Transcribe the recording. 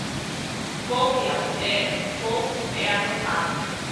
O fogo e a mulher, em coco, é adotado.